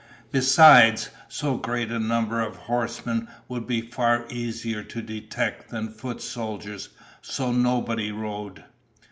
Besides, so great a number of horsemen would be far easier to detect than foot soldiers, so nobody rode.